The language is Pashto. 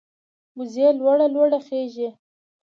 وزې لوړه لوړه خېژي